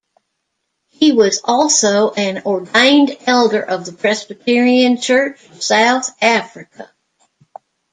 He was also an ordained elder of the Presbyterian Church of South Africa.